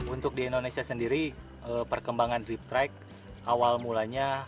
untuk di indonesia sendiri perkembangan drift track awal mulanya